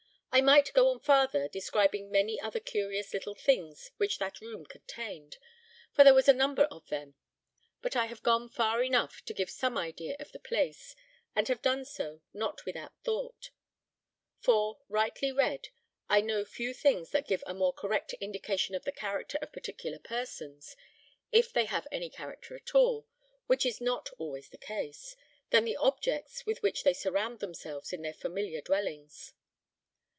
I might go on farther, describing many other curious little things which that room contained, for there was a number of them; but I have gone far enough to give some idea of the place, and have done so not without thought; for, rightly read, I know few things that give a more correct indication of the character of particular persons, if they have any character at all, which is not always the case, than the objects with which they surround themselves in their familiar dwellings.